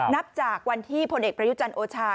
นับจากวันที่พลเอกประยุจันทร์โอชา